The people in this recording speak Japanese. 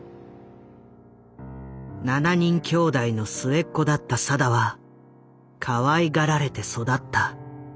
７人きょうだいの末っ子だった定はかわいがられて育った。